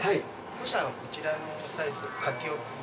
本社こちらのサイズ書き置き。